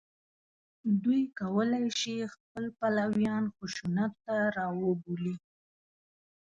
دوی کولای شي خپل پلویان خشونت ته راوبولي